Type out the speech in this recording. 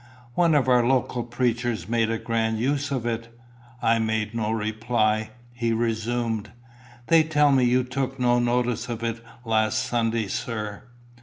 "One of our local preachers made a grand use of it." I made no reply. He resumed. "They tell me you took no notice of it last Sunday, sir."